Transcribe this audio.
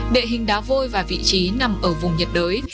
đệ hình đá vôi và vị trí nằm ở vùng nhiệt đới